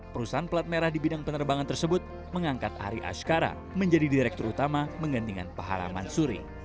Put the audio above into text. perusahaan pelat merah di bidang penerbangan tersebut mengangkat ari ashkara menjadi direktur utama menggantikan pahala mansuri